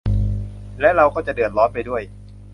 และเราก็จะเดือดร้อนไปด้วย